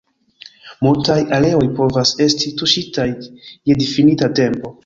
Multaj areoj povas esti tuŝitaj je difinita tempo.